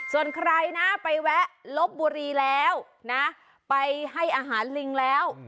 ส่วนใครนะไปแวะลบบุรีแล้วนะไปให้อาหารลิงแล้ว